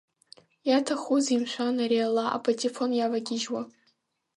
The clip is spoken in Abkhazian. Иаҭахузеи, мшәан, ари ала, апатефон иавагьежьуа?